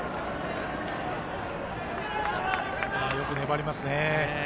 よく粘りますね。